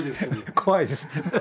怖いです。